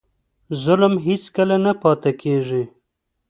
ظلم هېڅکله نه پاتې کېږي.